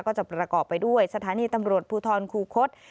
ก็จะประกอบสถานีตำรวจภูทรศูนย์คูฆศ